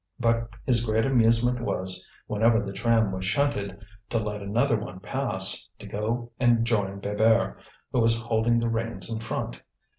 But his great amusement was, whenever the tram was shunted to let another one pass, to go and join Bébert, who was holding the reins in front.